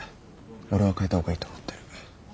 俺は替えた方がいいと思ってる。